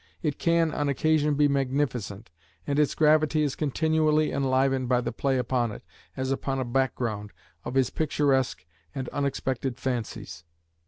It can, on occasion, be magnificent, and its gravity is continually enlivened by the play upon it, as upon a background, of his picturesque and unexpected fancies.